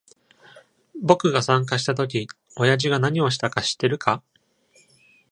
僕が参加したとき、おやじが何をしたか知ってるか？